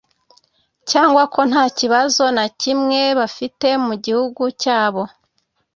cyangwa ko nta kibazo na kimwe bafite mu gihugu cyabo